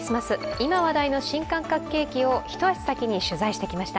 今話題の新感覚ケーキを一足先に取材してきました。